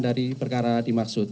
dari perkara dimaksud